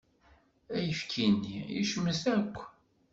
Ayefki-nni yecmet akk.